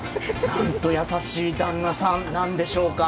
なんと優しい旦那さんなんでしょうか。